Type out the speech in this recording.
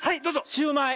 シューマイ！